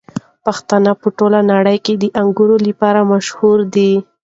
افغانستان په ټوله نړۍ کې د انګور لپاره مشهور دی.